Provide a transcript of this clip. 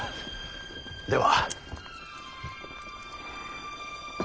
では。